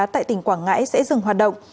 tại tỉnh quảng ngãi sẽ dừng hoạt động